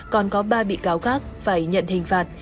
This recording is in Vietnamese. còn có ba bị cáo khác phải nhận hình phạt